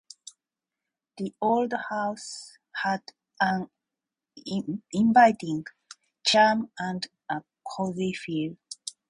The old house had an inviting charm and a cozy feel.